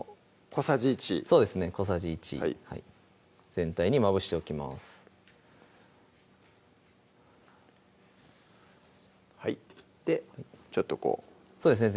小さじ１全体にまぶしておきますでちょっとこうそうですね